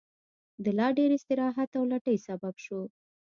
د لا ډېر استراحت او لټۍ سبب شو.